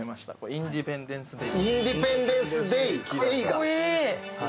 「インディペンデンス・デイ」。